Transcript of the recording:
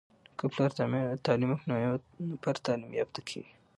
که پلار تعليم وکړی نو یو نفر تعليم يافته کیږي.